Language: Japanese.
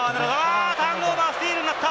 ターンオーバー、スティールになった！